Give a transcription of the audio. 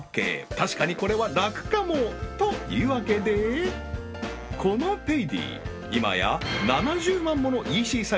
確かにこれは楽かも！というわけでこのペイディ